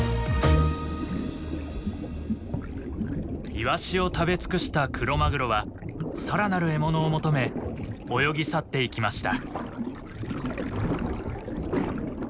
イワシを食べ尽くしたクロマグロはさらなる獲物を求め泳ぎ去っていきました。